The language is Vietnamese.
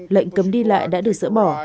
lệnh cấm đi lại đã được dỡ bỏ